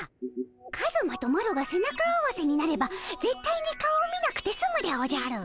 カズマとマロが背中合わせになればぜったいに顔を見なくてすむでおじゃる。